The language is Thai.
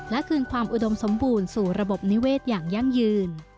และคืนความอุดมสมบูรณ์สู่ระบบนิเวศอย่างยั่งยืน